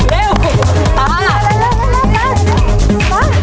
เร็วตา